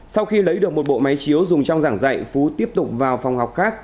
sau khi lấy được một bộ máy chiếu dùng trong giảng dạy phú tiếp tục vào phòng học khác